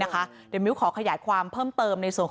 เดี๋ยวมิ้วขอขยายความเพิ่มเติมในส่วน